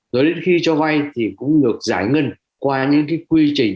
đối với khi cho vay thì cũng được giải ngân qua những cái quy trình